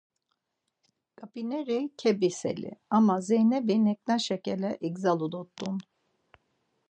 Ǩap̌ineri kebiseli ama Zeynebi neǩnaşe ǩele igzalu dort̆un.